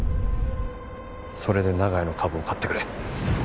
それで長屋の株を買ってくれ。